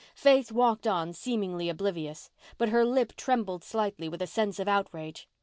Faith walked on, seemingly oblivious. But her lip trembled slightly with a sense of outrage.